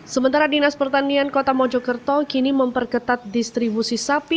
sementara dinas pertanian kota mojokerto kini memperketat distribusi sapi